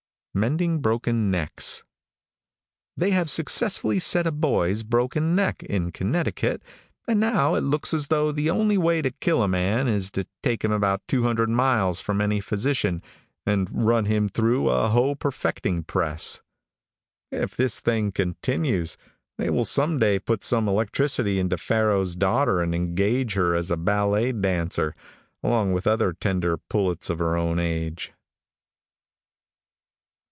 MENDING BROKEN NECKS. |THEY have successfully set a boy's broken neck, in Connecticut, and now it looks as though the only way to kill a man is to take him about 200 miles from any physician, and run him through a Hoe Perfecting Press. If this thing continues, they will some day put some electricity into Pharaoh's daughter and engage her as a ballet dancer, along with other tender pullets of her own age.